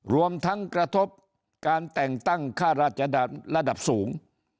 รวมทั้งกระทบการแต่งตั้งค่าราชดารระดับสูง